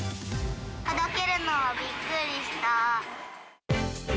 届けるのはびっくりした。